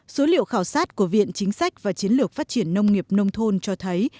số liệu khảo sát của viện chính sách và chiến lược phát triển nông nghiệp nông thôn cho thấy